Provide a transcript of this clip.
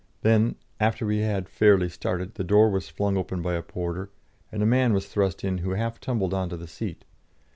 Then, after we had fairly started, the door was flung open by a porter, and a man was thrust in who half tumbled on to the seat.